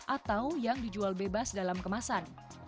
atau yang dijual bebas dalam kemasan